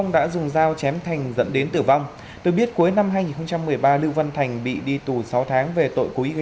đã xuất hiện khóm tre đắng